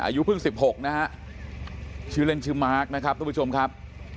อายุเพิ่ง๑๖นะฮะชื่อเล่นชื่อมาร์คนะครับทุกผู้ชมครับ